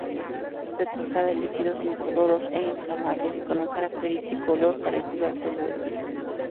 Se trata de líquidos incoloros e inflamables con un característico olor parecido al tolueno.